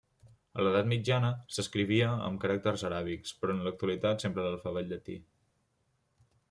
A l'edat mitjana, s'escrivia en caràcters aràbics, però en l'actualitat empra l'alfabet llatí.